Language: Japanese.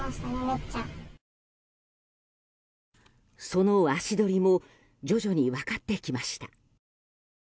その足取りも徐々に分かってきました。